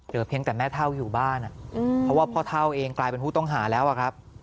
เพียงแต่แม่เท่าอยู่บ้านเพราะว่าพ่อเท่าเองกลายเป็นผู้ต้องหาแล้วอะครับ